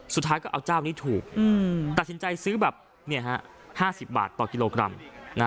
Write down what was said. สุดท้ายก็เอาเจ้านี้ถูกตัดสินใจซื้อแบบ๕๐บาทต่อกิโลกรัม